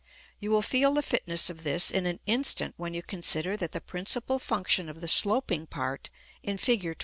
You will feel the fitness of this in an instant when you consider that the principal function of the sloping part in Fig.